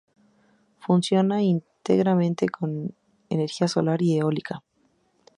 Funciona íntegramente con energía solar y eólica.